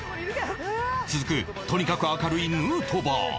続くとにかく明るいヌートバー